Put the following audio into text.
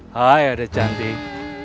hai ada cantik